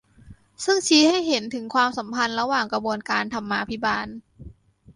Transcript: ซึ่งชี้ให้เห็นถึงความสัมพันธ์ระหว่างกระบวนการธรรมาภิบาล